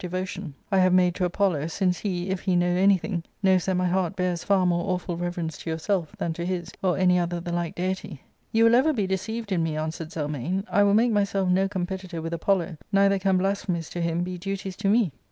^Book IIL 387 made to Apollo, since he, if he know anything, knows that my heart bears far more awful reverence to yourself than to his, or any other the like deity." " You will ever be deceived in me," answered Zelmane: " I will make myself no competitor with Apollo; neither can blasphemies to him be duties to me."